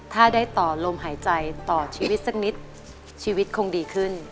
ถ้าได้ต่อลมหายใจต่อชีวิตสักนิดชีวิตคงดีขึ้น